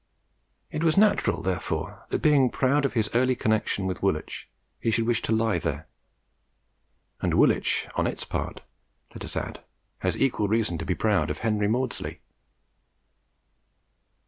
It was natural, therefore, that, being proud of his early connection with Woolwich, he should wish to lie there; and Woolwich, on its part, let us add, has equal reason to be proud of Henry Maudslay.